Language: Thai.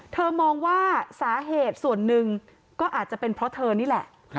มองว่าสาเหตุส่วนหนึ่งก็อาจจะเป็นเพราะเธอนี่แหละ